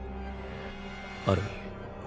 アルミン。